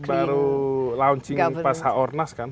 kita baru launching pas h ornas kan